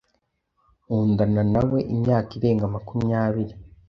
Nkundana na we imyaka irenga makumyabiri.